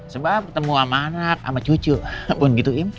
sebab ketemu sama anak sama cucu pun gitu